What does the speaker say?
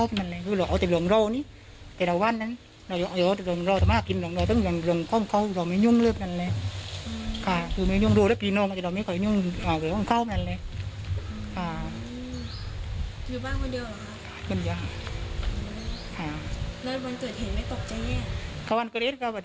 สำหรับสมบของบังรนดิ์นะครับ